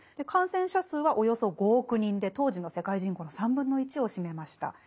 感染者数はおよそ５億人で当時の世界人口の1/3を占めました。